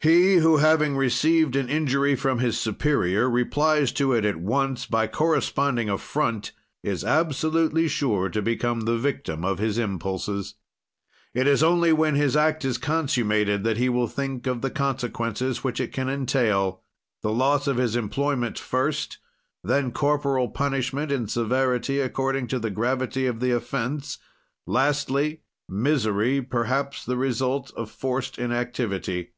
"He who, having received an injury from his superior, replies to it at once by corresponding affront, is absolutely sure to become the victim of his impulses. "It is only when his act is consummated, that he will think of the consequences which it can entail; the loss of his employment first, then corporal punishment, in severity according to the gravity of the offense; lastly, misery, perhaps the result of forced inactivity.